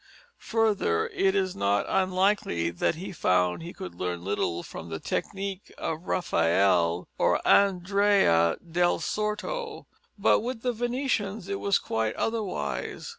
Further, it is not unlikely that he found he could learn little from the technique of Raphael or Andrea del Sarto. But with the Venetians it was quite otherwise.